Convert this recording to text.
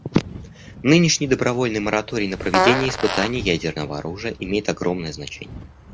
Нынешний добровольный мораторий на проведение испытаний ядерного оружия имеет огромное значение.